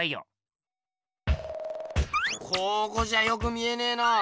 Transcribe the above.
ここじゃよく見えねえな。